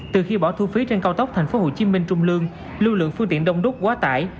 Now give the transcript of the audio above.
từ khi bỏ thu phí trên cao tốc tp hcm trung lương lưu lượng phương tiện đông đúc quá tải